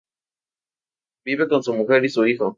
Vive con su mujer y su hijo.